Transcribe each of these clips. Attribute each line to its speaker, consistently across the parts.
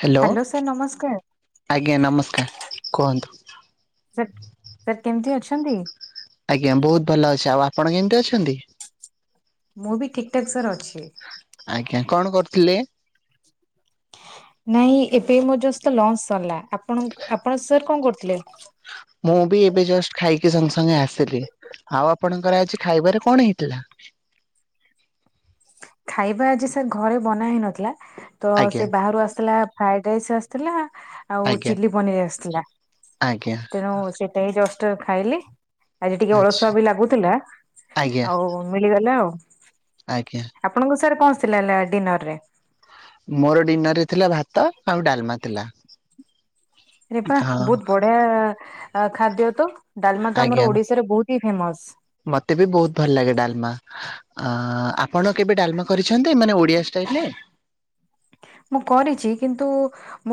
Speaker 1: Hello,
Speaker 2: hello sir ନମସ୍କାର
Speaker 1: ଆଜ୍ଞା ନମସ୍କାର କୁହନ୍ତୁ।
Speaker 2: ସାର୍ ସାର୍ କେମତି ଅଛନ୍ତି?
Speaker 1: ଆଜ୍ଞା ବହୁତ ଭଲ ଅଛି, ଆଉ ଆପଣ କେମତି ଅଛନ୍ତି?
Speaker 2: ମୁଁ ବି ଠକ୍ ଠାକ୍ ସାର୍ ଅଛି।
Speaker 1: ଆଜ୍ଞା କଣ କରଥିଲେ?
Speaker 2: ନାହି ଏବେ ମୋର ଜଷ୍ କ୍ଲାସ୍ ସରଲା, ଆପଣଙ୍କ ଆପଣ ସାର୍ କଣ କରୁଥିଲେ?
Speaker 1: ମୁଁ ବି ଏବେ ଜଷ୍ଟ୍ ଖାଇକି ସଙ୍ଗେ ସଙ୍ଗେ ଆସିଲି। ଆଉ ଆପଣଙ୍କର ଆଜି ଖାଇବାରେ କଣ ହେଇଥିଲା?
Speaker 2: ଖାଇବା ଆଜି ସାର୍ ଘରେ ବନା ହେଇ ନଥିଲା ତ
Speaker 1: ଆଜ୍ଞା
Speaker 2: ସେ ବାହାରୁ ଆସିଲା ଫ୍ରାଏ ଡାଇସ୍ ଆସିଥିଲା ଆଉ
Speaker 1: ଆଜ୍ଞା
Speaker 2: ଚିଲି ପନିର୍ ଆସିଥିଲା।
Speaker 1: ଆଜ୍ଞା।
Speaker 2: ତେଣୁ ସେଟା ଏଇ ଜଷ୍ଟ୍ ଖାଇଲି, ଆଜି ଟିକେ
Speaker 1: ଆଚ୍ଛା
Speaker 2: ଅଳସୁଆ ବି ଲାଗୁଥିଲା।
Speaker 1: ଆଜ୍ଞା
Speaker 2: ଆଉ ମିଲିଗଲା ଆଉ।
Speaker 1: ଆଜ୍ଞା।
Speaker 2: ଆପଣଙ୍କୁ ସାର୍ କଣ ଥିଲା ଏଲା ଡିନର୍ ରେ?
Speaker 1: ମୋର ଡିନର୍ ରେ ଥିଲା ଭାତ ଆଉ ଡାଲମା ଥିଲା।
Speaker 2: ରେ ବା
Speaker 1: ହଁ
Speaker 2: ବହୁତ ବଢିଆ ଆ, ଖାଦ୍ୟ ତ ଡାଲମା ତ ଆମର ଓଡିଶାରେ ବହୁତ ହି ଫେମସ୍।
Speaker 1: ମୋତେ ବି ବହୁତ ଭଲ ଲାଗେ ଡାଲମା। ଅ, ଆପଣ କେବେ ଡାଲମା କରିଛନ୍ତି ମାନେ ଓଡିଆ ଷ୍ଟାଇଲ୍ ରେ?
Speaker 2: ମୁଁ କରିଛି କିନ୍ତୁ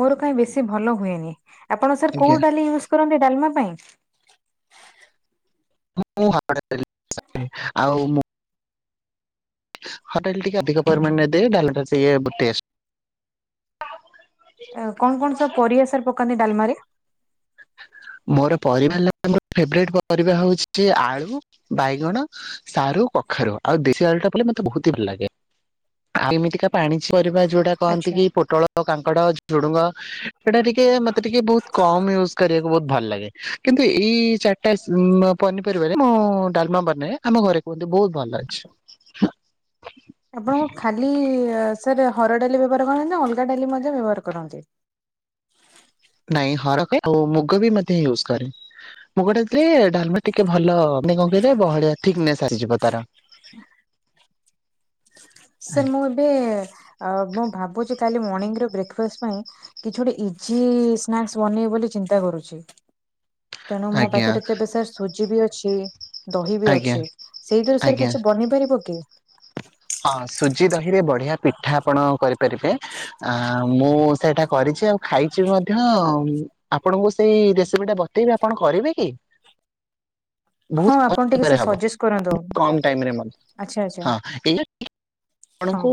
Speaker 2: ମୋର କାହିଁ ବେଶୀ ଭଲ ହୁଏନି, ଆପଣ ସାର୍
Speaker 1: ଆଜ୍ଞା
Speaker 2: କୋଉ ଡାଲି ୟୁଜ୍ କରନ୍ତି ଡାଲମା ପାଇଁ?
Speaker 1: ମୁଁ ହରଡ ଡାଲି ୟୁଜ୍ କରେ, ଆଉ ମୁ ହ ଡାଲି ଟିକେ ଅଧିକ ପରିମାଣରେ ଦେଇ ଡାଲି ଟା ଟିକେ ବ- ଟେଷ୍
Speaker 2: ଆଉ କଣ କଣ ସବୁ ପରିବା ସାର୍ ପକାନ୍ତି ଡାଲମାରେ?
Speaker 1: ମୋର ପରିବା ହେଲା ମୋର ଫେବରେଟ୍ ପରିବା ହଉଛି ଆଳୁ, ବାଇଗଣ ସାରୁ, କଖାରୁ ଆଉ ଦେଶୀ ଆଳୁଟା ପଇଲେ ମୋତେ ବହୁତ ହି ଭଲ ଲାଗେ। ଆଉ ଏମିତିକା ପାଣି ପରିବା ଯୋଉଟା କହନ୍ତି
Speaker 2: ଆଚ୍ଛା।
Speaker 1: କି ପୋଟଳ, କାଙ୍କଡ, ଝୁଡୁଙ୍ଗ ସେଟା ଟିକେ ମୋତେ ଟିକେ ବହୁତ କମ ୟୁଜ୍ କରିଆ ବହୁତ ଭଲ ଲାଗେ, କିନ୍ତୁ ଏଇ ଚାଟା ଉଁ, ଅ, ପନିପରିବାରେ ମୁଁ ଡାଲମା ବନାଏ। ଆମ ଘରେ କୁହନ୍ତି ବହୁତ ଭଲ ଅଛି।
Speaker 2: ଆପଣଙ୍କ ଖାଲି ସାର୍ ହରଡ ଡାଲି ବ୍ୟବହାର କରନ୍ତି ନା ଅଲଗା ଡାଲି ମଧ୍ୟ ବ୍ୟବହାର କରନ୍ତି?
Speaker 1: ନାଇଁ ହର [inaudible] ଆଉ ମୁଗ ବି ମଧ୍ୟ ୟୁଜ୍ କରେ। ମୁଗ ଡାଲି ଥିରେ ଡାଲମା ଟିକେ ଭଲା ମାନେ କଣ କହିଲେ ବହଳିଆ ଥିକନେସ୍ ଆସିଯିବ ତାର।
Speaker 2: ଓ, ସାର୍ ମୁଁ ଏବେ ଅ, ମୁଁ ଭାବୁଛି କାଲି ମର୍ଣିଂ ର ବ୍ରେକଫାଷ୍ଟ ପାଇଁ କିଛି ଗୋଟେ ଇଜି ସ୍ନାକ୍ସ ବନେଇବି ବୋଲି ଚିନ୍ତା କରୁଛି। ତେଣୁ ମୋ
Speaker 1: ଆଜ୍ଞା
Speaker 2: ପାଖରେ ତ ଏବେ ସାର୍ ସୁଜି ବି ଅଛି। ଦହି ବି
Speaker 1: ଆଜ୍ଞା
Speaker 2: ଅଛି ସେଇଥିରୁ ସାର୍
Speaker 1: ଆଜ୍ଞା।
Speaker 2: କିଛି ବନି ପାରିବ କି?
Speaker 1: ହଁ ସୁଜି ଦହିରେ ବଢିଆ ପିଠା ଆପଣ କରିପାରିବେ। ଆଁ, ମୁଁ ସେଇଟା କରିଛି ଆଉ ଖାଇଛି ମଧ୍ୟ ଉଁ, ଆପଣଙ୍କୁ ସେଇ ରେସିପି ଟା ବତେଇବି ଆପଣ କରିବେ କି? ବହୁତ
Speaker 2: ହଁ ଆପଣ
Speaker 1: କରେ
Speaker 2: ଟିକେ
Speaker 1: ହବ
Speaker 2: ସଜେଷ୍ କରନ୍ତୁ
Speaker 1: କମ ଟାଇମ ରେ ମଧ୍ୟ
Speaker 2: ଆଚ୍ଛା ଆଚ୍ଛା।
Speaker 1: ହଁ ଏଇ
Speaker 2: ହଁ।
Speaker 1: ଆପଣଙ୍କୁ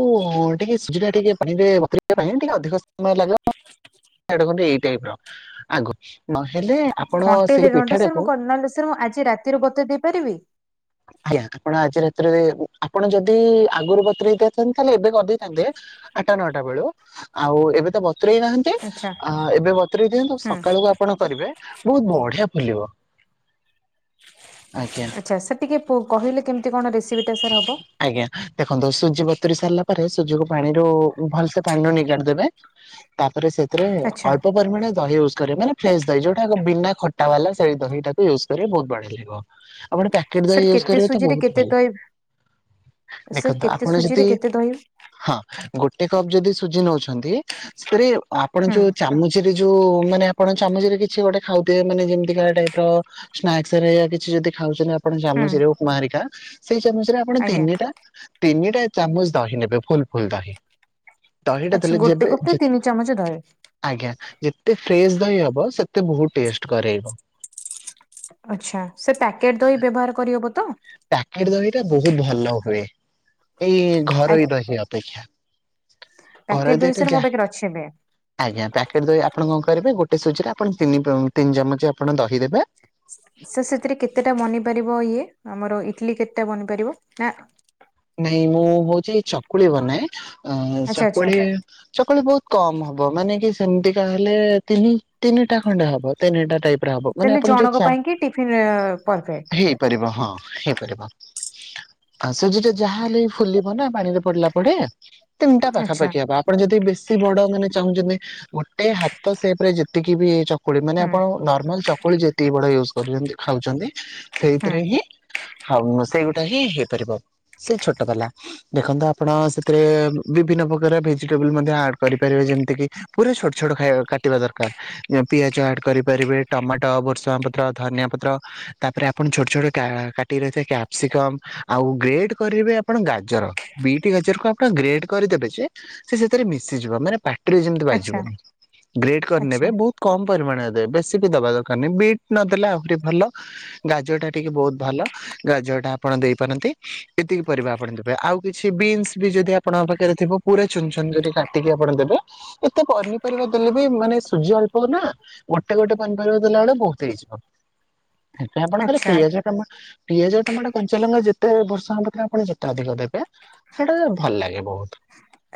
Speaker 1: ଟିକେ ସୁଜି ଟା ଟିକେ ଛାଡିବେ ବତୁରିବା ପାଇଁ ଟିକେ ଅଧିକ ସମୟ ଲାଗିବ। ସେଇଟା କଣ କି ଏ ଟାଇପ ର ଆଗରୁ ନହେଲେ ଆପଣ
Speaker 2: ଘଣ୍ଟେ
Speaker 1: ସେଇ
Speaker 2: ଦେଢ଼ ଘଣ୍ଟା ସାର୍
Speaker 1: ପିଠାଟାକୁ
Speaker 2: ମୁଁ କର୍ନାଲ ବିଷୟରେ ମୁଁ ଆଜି ରାତିରୁ ବତୁରି ଦେଇପାରିବି?
Speaker 1: ଆଜ୍ଞା ଆପଣ ଆଜି ରାତିରେ ଆପଣ ଯଦି ଆଗରୁ ବତୁରେଇ ଦେଇଥାନ୍ତ ଖାଲି ଏବେ କରିଦେଇଥାନ୍ତେ ଆଠଟା ନଅଟା ବେଳୁ ଆଉ ଏବେ ତ ବ ତୁରେଇ ନାହାନ୍ତି
Speaker 2: ଆଚ୍ଛା
Speaker 1: ଆ ଏବେ ବତୁରେଇ ଦିଅନ୍ତୁ
Speaker 2: ହୁଁ।
Speaker 1: ସକାଳକୁ ଆପଣ କରିବେ ବହୁତ ବଢିଆ ଫୁଲିବ। ଆଜ୍ଞା
Speaker 2: ଆଚ୍ଛା ସେ ଟିକେ କହିଲେ କେମିତି କଣ ରେସିପି ଟା ସାର୍ ହବ?
Speaker 1: ଆଜ୍ଞା ଦେଖନ୍ତୁ ସୁଜି ବତୁରି ସାରିଲା ପରେ ସୁଜିକୁ ପାଣିରୁ ଭଲସେ ପାଣିରୁ ନିଗାଡି ଦେବେ। ତାପରେ ସେଥିରେ
Speaker 2: ଆଚ୍ଛା
Speaker 1: ଅଳ୍ପ ପରିମାଣରେ ଦହି ୟୁଜ୍ କରିବେ ମାନେ ଫ୍ରେସ ଦହି ଯୋଉଟାକ ବିନା ଖଟା ବାଲା ସେ ଦହିଟାକୁ ୟୁଜ କରିବ ବହୁତ ବଢିଆ ଲାଗିବ। ଆପଣ ପ୍ୟାକେଟ
Speaker 2: ସାର୍
Speaker 1: ଦହି ୟୁଜ
Speaker 2: କେତେ
Speaker 1: କରିବେ ତ
Speaker 2: ସୁଜିରେ
Speaker 1: ବହୁତ
Speaker 2: କେତେ
Speaker 1: ଭଲ।
Speaker 2: ଦହି ସାର୍
Speaker 1: ଦେଖନ୍ତୁ
Speaker 2: କେତେ
Speaker 1: ଆପଣ ଯଦି
Speaker 2: ସୁଜିରେ କେତେ ଦହି
Speaker 1: ହଁ ଗୋଟେ କପ୍ ଯଦି ସୁଜି ନଉଛନ୍ତି, ସେଥିରେ ଆପଣ
Speaker 2: ହୁଁ।
Speaker 1: ଯୋଉ ଚାମ ଚରେ ଯୋଉ ମାନେ ଆପଣ ଚାମଚରେ କିଛି ଗୋଟେ ଖାଉଥିବେ ମାନେ ଯେମିତି କା ଟାଇପର ସ୍ନାକ୍ସ ହେରିକା କିଛି ଯଦି ଖାଉଚନ୍ତି ଆପଣ
Speaker 2: ହୁଁ।
Speaker 1: ଚାମଚରେ ଉପମା ହେରିକା ସେଇ ଚାମଚ ରେ ଆପଣ
Speaker 2: ଆଜ୍ଞା
Speaker 1: ତିନିଟା ତିନିଟା ଚାମଚ ଦହି ନେବେ ଫୁଲ ଫୁଲ ଦହି। ଦହିଟା
Speaker 2: ଆଚ୍ଛା
Speaker 1: ଦେଲେ
Speaker 2: ଗୋଟେ
Speaker 1: ଯେବେ
Speaker 2: କପ ରେ ତିନି
Speaker 1: ଜେତ
Speaker 2: ଚାମଚ ଦହି
Speaker 1: ଆଜ୍ଞା ଯେତେ ଫ୍ରେଶ ଦହି ହବ, ସେତେ ବହୁତ ଟେଷ୍ଟ କରେଇବ।
Speaker 2: ଆଚ୍ଛା ସେ ପ୍ୟାକେଟ ଦହି ବ୍ୟବହାର କରିହବ ତ?
Speaker 1: ପ୍ୟାକେଟ ଦହି ଟା ବହୁତ ଭଲ ହୁଏ, ଏଇ
Speaker 2: ଆ
Speaker 1: ଘରୋଇ ଦହି ଅପେକ୍ଷା।
Speaker 2: ପ୍ୟାକେଟ
Speaker 1: ଘରୋଇ ଦହି ଟା
Speaker 2: ସାର୍ ମୋ
Speaker 1: ଯା
Speaker 2: ପାଖରେ ଅଛି ଏବେ।
Speaker 1: ଆଜ୍ଞା ପ୍ୟାକେଟ୍ ଦହି ଆପଣ କଣ କରିବେ ଗୋଟେ ସୁଜିରେ ଆପଣ ତିିନି ତିନି ଚମଚ ଆପଣ ଦହିଦେବେ।
Speaker 2: ସ ସେଥିରେ କେତେଟା ବନିପାରିବ ଇଏ। ଆମର ଇଟଲିି କେତେଟା ବନିପାରିବ? ନା
Speaker 1: ନାଇଁ ମୁଁ ହଉଚି ଚକୁଳି ବନାଏ ଅ
Speaker 2: ଆଚ୍ଛା ଆଚ୍ଛା।
Speaker 1: ଚକୁଳି ଚକୁଳି ବହୁତ କମ ହବ ମାନେ କି ସେମତିକା ହେଲେ ତିନି ତିନିଟା ଖଣ୍ଡେ ହବ ତିନିଟା ଟାଇପ ର ହବ ମାନେ
Speaker 2: ତିନି
Speaker 1: ଆପଣ ଯ
Speaker 2: ଜଣଙ୍କ ପାଇଁ କି ଟିଫିନ ପରଫେକ୍ଟ।
Speaker 1: ପାରିବ ହଁ ହେଇପାରିବ ଆଉ ସେ ଯ ଯାହା ହେଲେ ବି ଫୁଲିବ ନା ପାଣିରେ ପଡିଲା ପଡେ ତିନିଟା
Speaker 2: ଆଚ୍ଛା
Speaker 1: ପାଖାପାଖି ହବ। ଆ ପଣ ଯଦି ବେଶୀ ବଡ ମାନେ ଚାହୁଁଚନ୍ତି। ଗୋଟେ ହାତ ସେପ ରେ ଯେତିକି ବି ଚକୁଳି ମାନେ
Speaker 2: ହୁଁ
Speaker 1: ଆପଣ ନର୍ମାଲ ଚକୁଳି ଯେତିକି ବଡ ୟୁଜ କରୁଚନ୍ତି ଖାଉଚନ୍ତି
Speaker 2: ହୁଁ
Speaker 1: ସେଇଥିରେ ହିଁ ହଉ ସେଇଗୋଟା ହିଁ ହେଇପାରିବ ସେ ଛୋଟ ବାଲା। ଦେଖନ୍ତୁ ଆପଣ ସେଥିରେ ବିଭିନ୍ନ ପ୍ରକାର ଭେଜିଟେବଲ ମଧ୍ୟ ଆଡ କରିପାରିବେ ଯେମିତି କିି ପୁରା ଛୋଟ ଛୋଟ ଖାଇବା କାଟିବା ଦରକାର। ପିଆଜ ଆଡ କରିପାରିବେ, ଟମାଟୋ, ବୁର୍ଷଙ୍ଗ ପତ୍ର, ଧନିଆ ପତ୍ର। ତାପରେ ଆପଣ ଛୋଟ ଛୋଟ କା କାଟି ରହିଥିବା କ୍ୟାପସିକମ୍ ଆଉ ଗ୍ରେଡ଼ କରିବେ ଆପଣ ଗାଜର। ବିଟି ଗାଜରକୁ ଆପଣ ଗ୍ରେଡ କରିଦେବେ ଯେ ସେ ସେଥିରେ ମିଶିଯିବ ମାନେ ପାଟିରେ ଯେମିତି
Speaker 2: ଆଚ୍ଛା
Speaker 1: ବାଜିବନାହିଁ। ଗ୍ରେଡ
Speaker 2: ଆଚ୍ଛା।
Speaker 1: କରିନେବେ ବହୁତ କମ ପରିମାଣରେ ଦେବେ। ବେଶୀ ବି ଦବା ଦରକାର ନାହି। ବିଟ୍ ନଦେଲେ ଆହୁରି ଭଲ। ଗାଜର ଟା ଟିକେ ବହୁତ ଭଲ। ଗାଜର ଟା ଆପଣ ଦେଇପାରନ୍ତି। ଏତିକି ପରିବା ଆପଣ ଦେବେ। ଆଉ କିଛି ବିନ୍ସ ବି ଯଦି ଆପଣଙ୍କ ପାଖରେ ଥିବ, ପୁରା ଚୁନଚୁରେ କାଟିକି ଆପଣ ଦେବେ। ଏତେ ପନିପରିବା ଦେଲେ ବି ମାନେ ସୂଜି ଅଳ୍ପ ନା ଗୋଟେ ଗୋଟେ ପନପରିବା ଦେଲାବେଳେ ବହୁତ ହେଇଯିବ। ଏବେ ଆପଣ ଖାଲି
Speaker 2: ଆଚ୍ଛା
Speaker 1: ପିଆଜ ଟମା ପିଆଜ ଟମାଟୋ କଞ୍ଚାଲଙ୍କା ଯେତେ ବର୍ଷା ହବ ଆପଣ ଯେତେ ଅଧିକ ଦେବେ ସେଟା ଭଲ ଲାଗେ ବୋହୁତୁ।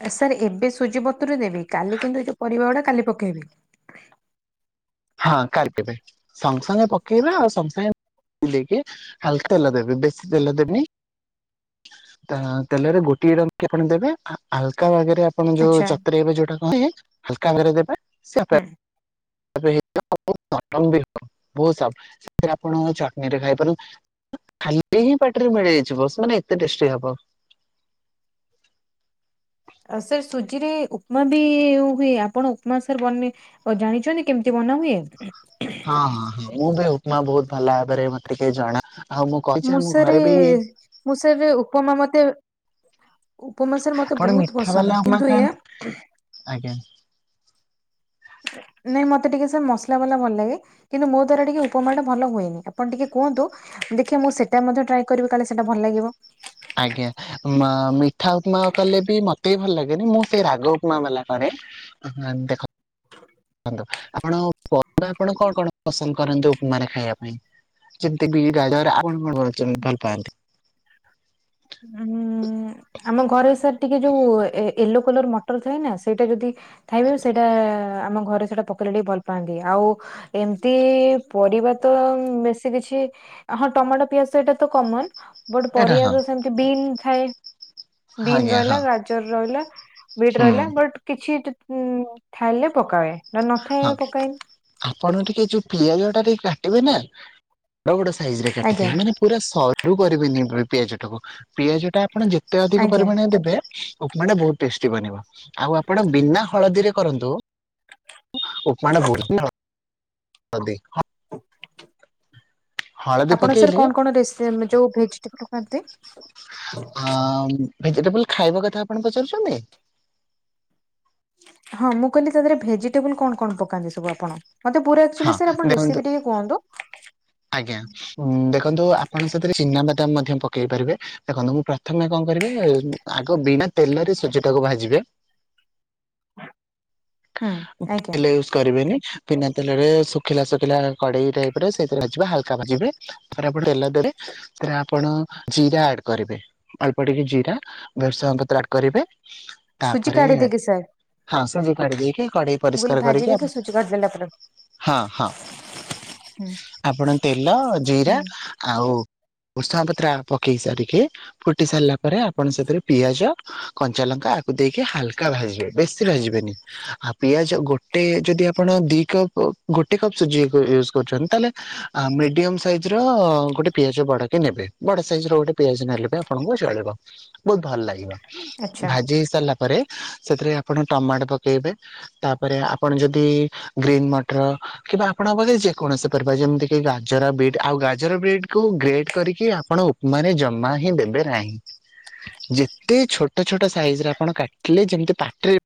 Speaker 2: ଏ ସାର୍ ଏବେ ସୁଜି ବତୁରେଇ ଦେବି କାଲି କିନ୍ତୁ ଏ ଯୋଉ ପରିବା ଗୁଡା କାଲି ପକେଇବି।
Speaker 1: ହଁ କାଲି ଦେବେ ସଙ୍ଗ ସଙ୍ଗ ପକେଇବା ଆଉ ସଙ୍ଗ ସଙ୍ଗେ ବୁଲେଇକି ହାଲ ତେଲ ଦେବେ ବେଶୀ ତେଲ ଦେବେନି। ତାଆଁ ତେଲରେ ଗୋଟିଏ ରଙ୍ଗକି ଆପଣ ଦେବେ ଆ ହାଲକା ବାଗେରେ ଆପଣ ଯୋଉ
Speaker 2: ଆଚ୍ଛା
Speaker 1: ଚତୁରେଇବେ ଯୋଉଟା କହନି ହାଲକା ଭାବର ଦେବେ ସେ ଆପେ
Speaker 2: ହୁଁ।
Speaker 1: [unintelligible] ସେଥିରେ ଆପଣ ଚଟ୍ନିରେ ଖାଇପାରୁ ଖାଲି ହିଁ ପାଟିରେ ମିଳେଇଯିବା ସେ ମାନେ ଏତେ ଟେଷ୍ଟି ହବ।
Speaker 2: ଆ ସାର୍ ସୁଜି ରେ ଉପମା ବି ହୁଏ ଆପଣ ଉପମା ସାର୍ ବନେ ଆଉ ଜାଣିଚନ୍ତି କେମତି ବନା ହୁଏ?
Speaker 1: ହଁ ହଁ ହଁ ମୁଁ ବି ଉପମା ବହୁତ ଭଲ ଭାବରେ ମତେ ଟିକେ ଜଣା ଆଉ ମୁଁ କହିଚି ଆମ ଘରେ ବି
Speaker 2: ମୁଁ ସେରେ ଉପମା ମତେ ଉପମା ସାର୍ ମତେ
Speaker 1: ଆପଣ
Speaker 2: ବୋହୁତ୍
Speaker 1: ମିଠା ବାଲା
Speaker 2: ପସନ୍ଦ
Speaker 1: ଉପମା
Speaker 2: କିନ୍ତୁ ଏୟା
Speaker 1: ଖାଆନ୍ତି ଆଜ୍ଞା।
Speaker 2: ନାଇଁ ମତେ ଟିକେ ସାର୍ ମସଲା ବାଲା ଭଲ ଲାଗେ। କିନ୍ତୁ ମୋ ଦ୍ଵାରା ଟିକେ ଉପମାଟା ଭଲ ହୁଏନି ଆପଣ ଟିକେ କୁହନ୍ତୁ ଦେଖିଆ ମୁଁ ସେଟା ମଧ୍ୟ ଟ୍ରାଏ କରିବି କାଳେ ସେଟା ଭଲ ଲାଗିବ।
Speaker 1: ଆଜ୍ଞା ମା ମିଠା ଉପମା କଲେ ବି ମତେ ବି ଭଲ ଲାଗେନି ମୁଁ ସେଇ ରାଗ ଉପମା ବାଲା କରେ। ଆ ହଁ ଦେଖ ଖନ୍ତୁ ଆପଣ [unintelligible] କଣ କଣ ପସନ୍ଦ କରନ୍ତି ଉପମାରେ ଖାଇବା ପାଇଁ? ଯେମତି ବିଟ ଗାଜର ଆପଣ କଣ [unintelligible] ଭଲ ପାଆନ୍ତି?
Speaker 2: ଉଁ ଆମ ଘରେ ଏ ସାର ଟିକେ ଯୋଉ ଏ ଏଲୋ କଲର ମ ଟର ଥାଏନା ସେଇଟା ଯଦି ଥାଇବ ସେଇଟା ଆମ ଘରେ ସେଟା ପ କଲେ ଟିକେ ଭଲ ପାଆନ୍ତି ଆଉ ଏମତି ପରିବା ତ ବେଶୀ କିଛି ହଁ ଟମାଟୋ ପିଆଜ ସେଟା ତ କମନ ବଟ୍
Speaker 1: ଏଇଟା
Speaker 2: ପରିବା
Speaker 1: ହଁ
Speaker 2: ତ ସେମିତି ବିନ୍ ଥାଏ।
Speaker 1: ହଁ
Speaker 2: ବିନ୍
Speaker 1: ଆଜ୍ଞା ହଁ
Speaker 2: ରହିଲା ଗାଜର ରହିଲା ବିଟ
Speaker 1: ହୁଁ
Speaker 2: ରହିଲା ବଟ୍ କିଛି ତୁତ୍ ଉଁ ଥାଇଲେ ପକାଏ ନେହେଲେ
Speaker 1: ହଁ
Speaker 2: ନଥାଏ ପକାଏନି।
Speaker 1: ଆପଣ ଟିକେ ଯୋଉ ପିଆଜ ଟା ଟିକେ କାଟିବେ ନା ବାଗୁଡ଼ ସାଇଜରେ
Speaker 2: ଆଜ୍ଞା
Speaker 1: କାଟିିଥିବେ ମାନେ ପୁରା ସରୁ କରିବେନି ଆପଣ ପିଆଜ ଟାକୁ ପିଆଜ ଟା ଆପଣ ଯେତେ ଅଧିକ
Speaker 2: ଆଜ୍ଞା
Speaker 1: ପରିମାଣରେ ଦେବେ ଉପମା ଟା ବହୁତ ଟେଷ୍ଟି ବନିବ ଆଉ ଆପଣ ବିନା ହଳଦୀରେ କରନ୍ତୁ ଉପମାଟା ବଢିଥାଅ। ତଦି ହଁ। ହଳଦୀ
Speaker 2: ଆପଣ ସାର୍
Speaker 1: ପକେଇଲେ
Speaker 2: କଣ କଣ ରେସ୍ ମେ ଯୋଉ ଭେଜିଟେବୁଲ୍ ଖାନ୍ତି?
Speaker 1: ଆଁ ଭେଜିଟେବୁଲ ଖାଇବା କଥା ଆପଣ ପଚାରୁଚନ୍ତି?
Speaker 2: ହଁ ମୁଁ କହିଲି ସେଥିରେ ଭେଜିଟେବୁଲ୍ କଣ କଣ ପକାନ୍ତି ସବୁ ଆପଣ? ମୋତେ ପୁରା
Speaker 1: ହଁ
Speaker 2: ଅକ୍ଚୋଲାଇ ସାର୍ ଆପଣ
Speaker 1: ଦେଖନ୍ତୁ
Speaker 2: ରେସିପି ଟିକେ କୁହନ୍ତୁ।
Speaker 1: ଆଜ୍ଞା ଦେଖନ୍ତୁ ଆପଣ ସେଥିରେ ଚିନାବାଦାମ ମଧ୍ୟ ପକେଇ ପାରବେ। ଦେଖନ୍ତୁ ମୁଁ ପ୍ରଥମେ ଙ୍କ କରିବେ ଆଗ ବିନା ତେଲରେ ସୁଜି ଟାକୁ ଭାଜିବେ।
Speaker 2: ହୁଁ ଆଜ୍ଞା
Speaker 1: [unintelligible] କରିବେନି ବିନା ତେଲରେ ଶୁଖିଲା ଶୁଖିଲା କଡେଇ ଟାଇପ ରେ ସେଇଥିରେ ଭାଯିବେ ହାଲକା ଭାଜିବେ। ଥରେ ଆପଣ ତେଲ ଦେଲେ ତାରେ ଆପଣ ଜିରା ଆଡ କରିବେ। ଅଳ୍ପ ଟିକେ ଜିରା ଭେଶ୍ରୁଙ୍ଗ ପତ୍ର ଆଡ କରିବେ।
Speaker 2: ସୁଜି
Speaker 1: ତାପରେ
Speaker 2: କାଢି ଦେଇକି ସାର୍।
Speaker 1: ହସ ଯେ କୁଆଡେ ଦେଇକି କାରି [inaudible]
Speaker 2: ମୁଁ କହିଲି ଭାଜି ଦେଇକି ସୁଜି କାଢିଦେଲା ପରେ
Speaker 1: ହଁ ହଁ।
Speaker 2: ହୁଁ
Speaker 1: ଆପଣ ତେଲ ଜିରା
Speaker 2: ହୁଁ
Speaker 1: ଆଉ ଭୃସଙ୍ଗ ପତ୍ର ପକେଇ ସାରିକେ ଫୁଟି ସାରିଲା ପରେ ଆପଣ ସେଥିରେ ପିଆଜ କଞ୍ଚା ଲଙ୍କା ଆକୁ ଦେଇକି ହାଲକା ଭାଜିବେ ବେଶୀ ଭାଜିବେନି। [unintelligible] ପିଆଜ ଗୋଟେ ଯଦି ଆପଣ ଦି କପ୍ ଗୋଟେ କପ୍ ସୁଜି ୟୁଜ କରୁଛନ୍ତି ତାହେଲେ ଆ ମିଡିୟମ ସାଇଜ ର ଗୋଟେ ପିଆଜ ବଡାକ ନେବେ ବଡ ସାଇଜ ର ଗୋଟେ ପିଆଜ ନେଲେ ବି ଆପଣଙ୍କୁ ଚଳିବ। ବହୁତ ଭଲ ଲାଗିବ
Speaker 2: ଆଚ୍ଛା
Speaker 1: ଭାଜି ହେଇ ସାରିଲା ପରେ ସେଥିରେ ଆପଣ ଟମାଟୋ ପକେଇବେ। ତାପରେ ଆପଣ ଯଦି ଗ୍ରୀନ୍ ମଟର କିମ୍ବା ଆପଣଙ୍କ ପାଖରେ ଯେକୌଣସି ପରିବା ଯେମିତି କି ଗାଜର ବିଡ୍ ଆଉ ଗାଜର ବିଡ୍ କୁ ଗ୍ରେଡ କରିକି ଆପଣ ଉପମାରେ ଜମା ହିଁ ଦେବେ ନାହିଁ। ଯେତେ ଛୋଟ ଛୋଟ ସାଇଜ ରେ ଆପଣ କାଟିଲେ ଯେମିତି ପାଟିରେ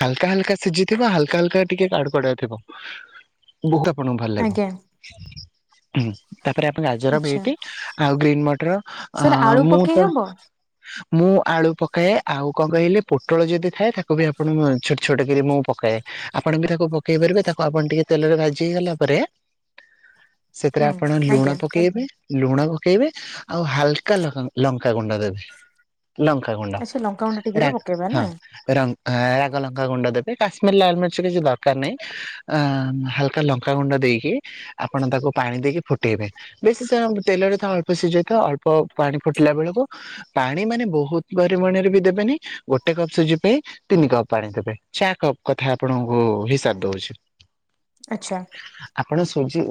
Speaker 1: ହାଲକା ହାଲକା ସିଝିଥିବ ହାଲକା ହାକା ଟିକେ କାଡୁଡଆ ଥିବ। ବହୁତ ଆପଣଙ୍କୁ ଭଲ ଲାଗିବ।
Speaker 2: ଆଜ୍ଞା
Speaker 1: ହୁଁ ତାପରେ ଆପଣ ଗାଜର
Speaker 2: ଆଚ୍ଛା।
Speaker 1: ବିଟି ଆଉ ଗ୍ରୀନ୍ ମଟର
Speaker 2: ସାର୍ ଆଳୁ
Speaker 1: ମୁଁ
Speaker 2: ପକେଇ
Speaker 1: ତ
Speaker 2: ହବ
Speaker 1: ମୁଁ ଆଳୁ ପକାଏ ଆଉ କଣ କହିଲେ ପୋଟଳ ଯଦି ଥାଏ ତାକୁ ବି ଆପଣ ଛ ଛୋଟକରି ମୁଁ ପକାଏ ଆପଣ ବି ତାକୁ ପକେଇ ପାରିବେ ତାକୁ ଆପଣ ଟିକେ ତେଲରେ ଭାଜି ହେଇଗଲା ପରେ
Speaker 2: [inaudible]
Speaker 1: ସେଥିରେ ଆପଣ ଲୁଣ
Speaker 2: ଆଜ୍ଞା
Speaker 1: ପକେଇବେ। ଲୁଣ ପକେଇବେ ଆଉ ହାଲକା ଲଙ୍କା ଗୁଣ୍ଡ ଦେବେ। ଲଙ୍କଙ୍କା ଗୁଣ୍ଡା
Speaker 2: ଆଚ୍ଛା ଲଙ୍କାଗୁଣ୍ଡ ଟିକେ
Speaker 1: ରା
Speaker 2: ବି ପକେଇବା
Speaker 1: ହଁ
Speaker 2: ନା
Speaker 1: ର ଅ ରାଗ ଲଙ୍କା ଗୁଣ୍ଡ ଦେବେ କାଶ୍ମୀର ଲାଲ ମିର୍ଚ କିଛି ଦରକାର ନାହିଁ। ଅ ହାଲକା ଲଙ୍କାାଗୁଣ୍ଡ ଦେଇକି ଆପଣ ତାକୁ ପାଣି ଦେଇକି ଫୁଟେଇବେ। ବେଶୀ ତ ତେଲରେ ତ ଅଳ୍ପ ସିଝେଇ ତ ଅଳ୍ପ ପାଣି ଫୁଟିଲା ବେଳକୁ ପାଣି ମାନେ ବହୁତ ପରିମାଣରେ ବି ଦେବେନି ଗୋଟେ କପ ସୁଜି ପାଇଁ ତିନି କପ ପାଣି ଦେବେ ଚା କପ୍ କଥା ଆପଣଙ୍କୁ ହିସାବ ଦଉଛି।
Speaker 2: ଆଚ୍ଛା।
Speaker 1: ଆପଣ ସଜି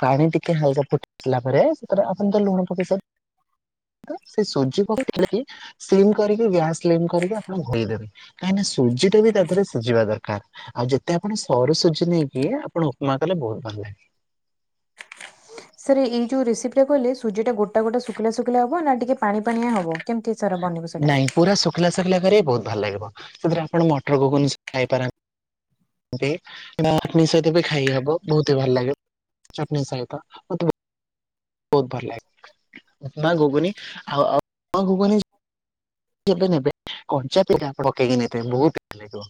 Speaker 1: ପାଣି ଟିକେ ହାଲକା ଫୁଟ ଆସିଲଲା ପରେ ସେରେ ଆପଣ ତ ଲୁଣ ପକେଇସ ସେ ସୁଜି ପ କରିକି ବ୍ୟା କରିକି ଆପଣ ଧୋଇଦବେ। କାହିଁକି ସୁଜି ଟା ବି ତା ଥିରେ ସିଝିବା ଦରକାର। ଆଉ ଯେତେ ଆପଣ ସରୁ ସୁଜି ନେଇକି ଆପଣ ଉପମା କଲେ ବହୁତ ଭଲ ଲାଗେ।
Speaker 2: ସାର୍ ଏଇ ଯୋଉ ରେସିପି ଟା କହିଲେ ସୁଜି ଟା ଗୋଟା ଗୋଟା ଶୁଖା ଶୁଖିଲା ହବ ନା ଟିକେ ପାଣି ପାାଣିଆ ହବ କେମିତି ସାର ବନିବ ସେଇଟା?
Speaker 1: ନାଇଁ ପୁରା ଶୁଖିଲା ଶୁଖିଲା କର ବହୁତ ଭଲ ଲାଗିବ ସେଥିରେ ଆପଣ ମଟର କ ଖାଇପାରନ୍ତ ଆତ୍ମୀ ସହିତ ବି ଖାଇ ହବ ବହୁତ ଭଲ ଲାଗେ। ଚଟଣିି ସ ଆହିତ। ବହୁତ ଭଲ ଲାଗେ ମା କୁନି ଆଉ ଗୁଗୁ ବେ ନେବେ କଞ୍ଚା ପିଟା ପକେଇକି ନେବେ ବହୁତ [unintelligible]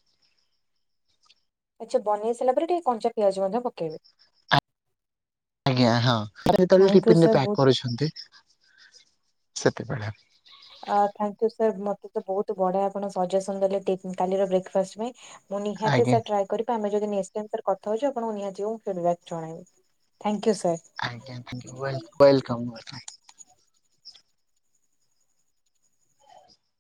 Speaker 2: ଆଚ୍ଛା ବନେଇ ସାରିଲା ପରେ ଟିକେ କଞ୍ଚାିଆଜ ମଧ୍ୟ ପକେଇବେ।
Speaker 1: ଆଜ୍ଞା ହଁ
Speaker 2: ଥ୍ୟାଙ୍କ ୟୁ
Speaker 1: ଯେତେବେଳେଟିିନ
Speaker 2: ସାର୍ ବହୁତ
Speaker 1: ପ୍ୟାକ୍ କରୁଛନ୍ତି ସେତେବେଳେ।
Speaker 2: ଙ୍କ ସାର୍ ମତେ ତ ବହୁତ ବଢିଆ ଆପଣ ସଜେସନ ଦେଲେ କାର ବେକ୍ ଫାଷ୍ଟ ପାଇଁ ମୁ ନିିହାତି
Speaker 1: ଆଜ୍ଞା
Speaker 2: ଟ୍ର ଆମେ ଯଦ କ ହଉଛି ଆଣଙ୍କୁ ନିହାଯ ମୁ ଜଣାର୍ ଥାଙ୍କୟୁ [unintelligible]
Speaker 1: ଆଜ୍ଞ ଆଜ୍ଞା ୱେଲ କମ୍।